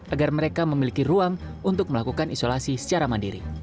agar mereka memiliki ruang untuk melakukan isolasi secara mandiri